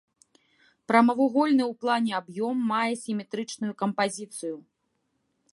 Прамавугольны ў плане аб'ём мае сіметрычную кампазіцыю.